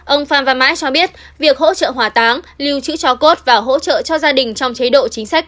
ông phan văn mãi cho biết việc hỗ trợ hỏa táng lưu trữ cho cốt và hỗ trợ cho gia đình trong chế độ chính sách